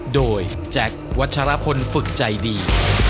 โดยแจ็ควัชรพลฝึกใจดี